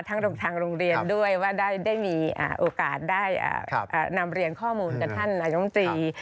ทางโรงเรียนด้วยว่าได้มีโอกาสได้นำเรียนข้อมูลกับท่านนายมตรี